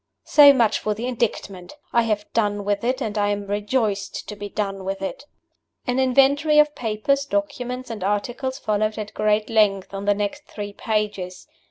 So much for the Indictment! I have done with it and I am rejoiced to be done with it. An Inventory of papers, documents, and articles followed at great length on the next three pages.